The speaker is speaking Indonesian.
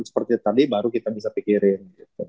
seperti tadi baru kita bisa pikirin